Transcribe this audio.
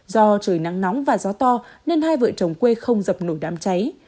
do trời nắng nóng và gió to nên hai vợ chồng quê không dập nổi đám cháy